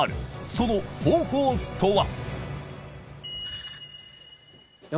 その方法とは？